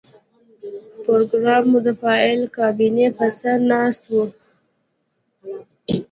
پروګرامر د فایل کابینې په سر ناست و